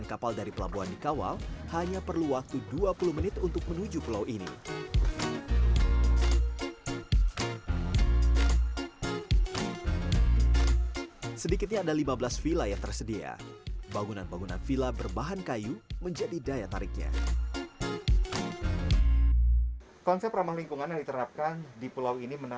kalo gitu saya mau menyelesaikan dulu ya